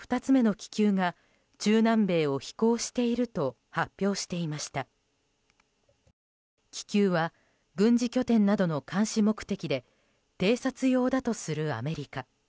気球は軍事拠点などの監視目的で偵察用だとするアメリカ。